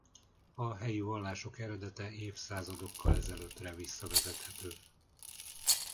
A helyi vallások eredete évszázadokkal ezelőttre visszavezethető.